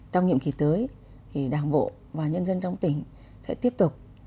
trong nhiệm kỳ tới đảng bộ và nhân dân trong tỉnh sẽ tiếp tục đoàn kết